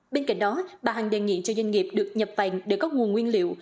bên cạnh đó bà hằng đề nghị cho doanh nghiệp được nhập vàng để có nguồn nguyên liệu